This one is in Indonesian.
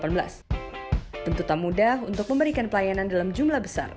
bentuk tamu mudah untuk memberikan pelayanan dalam jumlah besar